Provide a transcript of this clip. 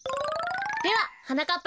でははなかっ